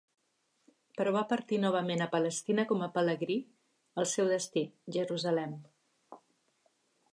Però va partir novament a Palestina com a pelegrí, el seu destí; Jerusalem.